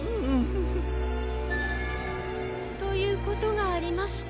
ということがありまして。